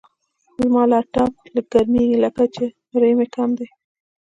زما لپټاپ لږ ګرمېږي، لکه چې ریم یې کم دی.